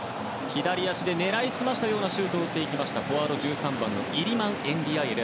左足で狙い澄ましたようなシュートを打っていったフォワード、１３番イリマン・エンディアイエ。